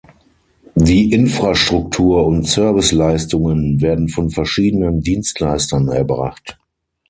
Die Infrastruktur- und Serviceleistungen werden von verschiedenen Dienstleistern erbracht.